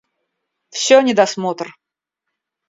Всё недосмотр!